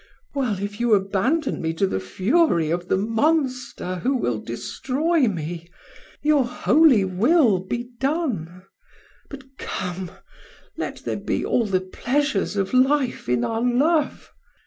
Well, if you abandon me to the fury of the monster who will destroy me, your holy will be done! But come, let there be all the pleasures of life in our love.